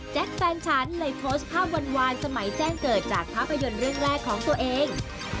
แฟนฉันเลยโพสต์ภาพหวานสมัยแจ้งเกิดจากภาพยนตร์เรื่องแรกของตัวเอง